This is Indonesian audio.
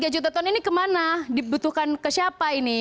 tiga lima puluh tiga juta ton ini kemana dibutuhkan ke siapa ini